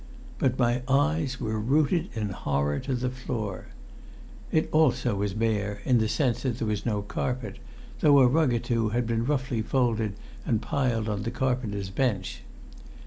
But my eyes were rooted in horror to the floor. It also was bare, in the sense that there was no carpet, though a rug or two had been roughly folded and piled on the carpenter's bench.